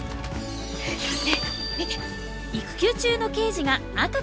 ねえ見て！